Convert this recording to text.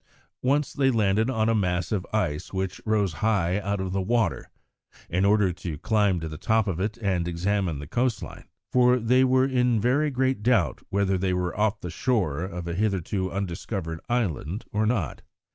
Once they landed on a mass of ice which rose high out of the water, in order to climb to the top of it and examine the coast line, for they were still in very great doubt whether they were off the shore of a hitherto undiscovered island or not.